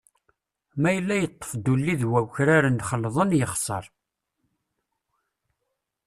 Ma yella yeṭṭef-d ulli d awkraren xelḍen, yexser.